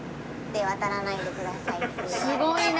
すごいな。